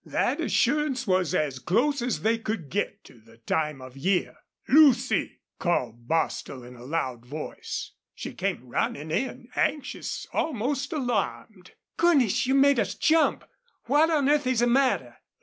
That assurance was as close as they could get to the time of year. "Lucy!" called Bostil, in a loud voice. She came running in, anxious, almost alarmed. "Goodness! you made us jump! What on earth is the matter?"